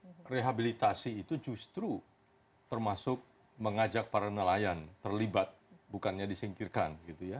pertama rehabilitasi itu justru termasuk mengajak para nelayan terlibat bukannya disingkirkan